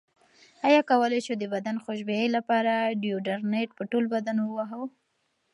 ایا کولی شو د بدن خوشبویۍ لپاره ډیوډرنټ په ټول بدن ووهلو؟